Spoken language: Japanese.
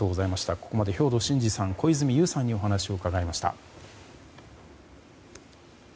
ここまで兵頭慎治さん小泉悠さんにお話を伺いました。